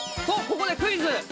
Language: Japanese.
とここでクイズ。